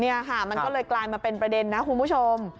นี่ค่ะมันก็เลยกลายมาเป็นประเด็นนะคุณผู้ชม